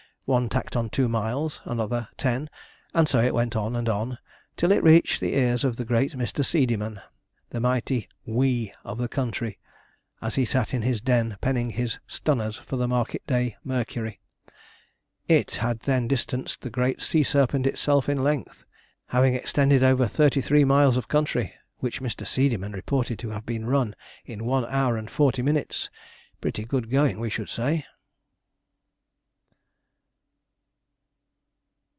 One tacked on two miles, another ten, and so it went on and on, till it reached the ears of the great Mr. Seedeyman, the mighty WE of the country, as he sat in his den penning his 'stunners' for his market day Mercury. It had then distanced the great sea serpent itself in length, having extended over thirty three miles of country, which Mr. Seedeyman reported to have been run in one hour and forty minutes. Pretty good going, we should say.